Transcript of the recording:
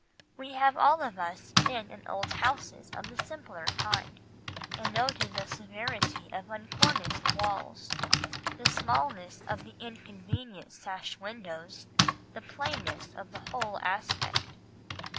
We have all of us been in old houses of the simpler kind, and noted the severity of uncorniced walls, the smallness of the inconvenient sash windows, the plainness of the whole aspect.